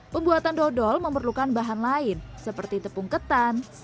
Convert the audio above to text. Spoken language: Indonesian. pembuatan dodol memerlukan banyak kerasa dan kemampuan yang lebih stabil untuk membuat nanas yang lebih stabil